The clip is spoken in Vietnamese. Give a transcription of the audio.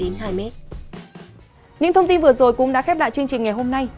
những thông tin vừa rồi cũng đã khép lại chương trình ngày hôm nay